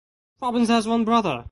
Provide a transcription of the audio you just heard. Robbins has one brother.